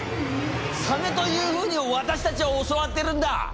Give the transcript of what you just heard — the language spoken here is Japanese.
サメというふうに私たちは教わっているんだ！